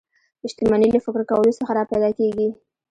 شتمني له فکر کولو څخه را پیدا کېږي